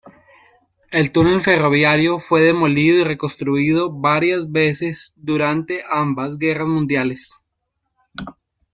El túnel ferroviario fue demolido y reconstruido varias veces durante ambas guerras mundiales.